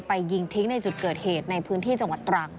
ยิงทิ้งในจุดเกิดเหตุในพื้นที่จังหวัดตรัง